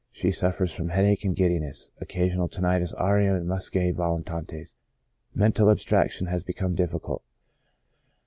She suffers from headache and giddiness, occasional tinnitus aurium and muscae volitantes j mental abstraction has become difficult.